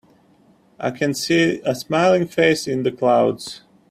I can see a smiling face in the clouds.